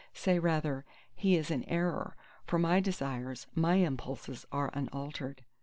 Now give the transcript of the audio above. Say rather: He is in error; for my desires, my impulses are unaltered.